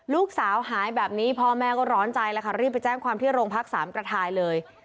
ลูกสาวหายแบบนี้พ่อแม่ก็ร้อนใจแล้วค่ะรีบไปแจ้งความที่โรงพักสามกระทายเลย